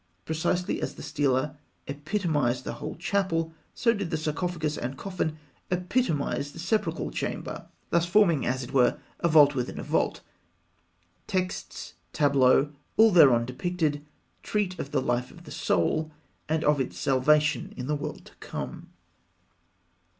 Precisely as the stela epitomised the whole chapel, so did the sarcophagus and coffin epitomise the sepulchral chamber, thus forming, as it were, a vault within a vault. Texts, tableaux, all thereon depicted, treat of the life of the Soul, and of its salvation in the world to come.